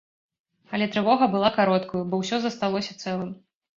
Але трывога была кароткаю, бо ўсё засталося цэлым.